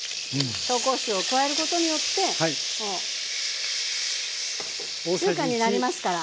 紹興酒を加えることによって中華になりますから。